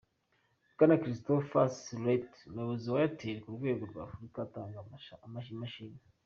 Bwana Christopher Soulet umuyobozi wa Airtel ku rwego rwa Afurika atanga imashini.